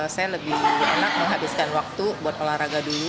saya lebih enak menghabiskan waktu buat olahraga dulu